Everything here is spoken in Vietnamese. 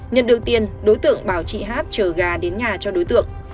nhận được tiền đối tượng bảo chị hát chờ gà đến nhà cho đối tượng